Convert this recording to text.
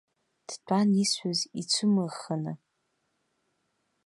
Дтәан исҳәаз ицәымыӷӷханы.